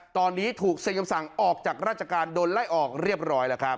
ตอนนี้ถูกเซ็นคำสั่งออกจากราชการโดนไล่ออกเรียบร้อยแล้วครับ